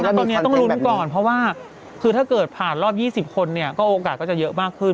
แล้วตอนนี้ต้องลุ้นก่อนเพราะว่าคือถ้าเกิดผ่านรอบ๒๐คนเนี่ยก็โอกาสก็จะเยอะมากขึ้น